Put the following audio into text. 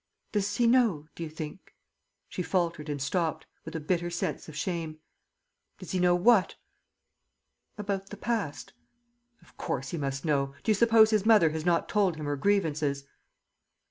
Does he know, do you think " she faltered and stopped, with a bitter sense of shame. "Does he know what?" "About the past?" "Of course he must know. Do you suppose his mother has not told him her grievances?"